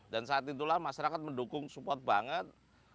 dan saat itulah masyarakat mendukung support banget